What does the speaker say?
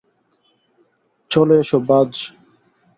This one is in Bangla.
চলে এসো, বায!